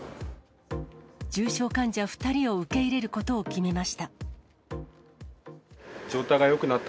重症患者２人を受け入れることを決めました。